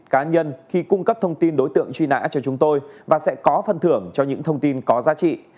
các cá nhân khi cung cấp thông tin đối tượng truy nã cho chúng tôi và sẽ có phần thưởng cho những thông tin có giá trị